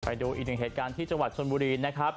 ไปดูอีกหนึ่งเหตุการณ์ที่จังหวัดชนบุรีนะครับ